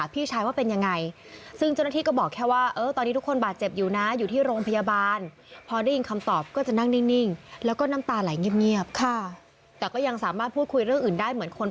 เป็นคนปกตินะคะ